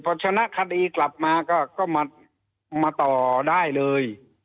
พอชนะคดีกลับมาก็มาต่อได้เลย